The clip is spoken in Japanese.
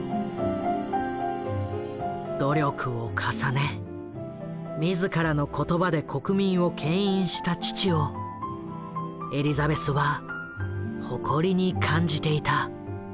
努力を重ね自らの言葉で国民をけん引した父をエリザベスは誇りに感じていた。